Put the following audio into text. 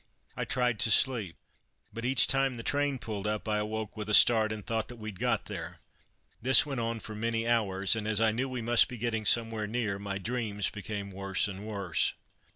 I tried to sleep, but each time the train pulled up, I woke with a start and thought that we'd got there. This went on for many hours, and as I knew we must be getting somewhere near, my dreams became worse and worse.